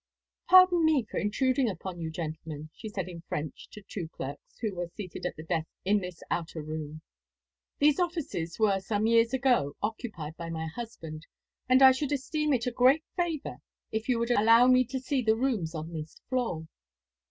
"Pardon me for intruding upon you, gentlemen," she said in French to the two clerks who were seated at a desk in this outer room. "These offices were some years ago occupied by my husband, and I should esteem it a favour if you would allow me to see the rooms on this floor."